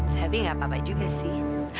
tapi gak apa apa juga sih